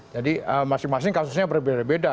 jadi masing masing kasusnya berbeda beda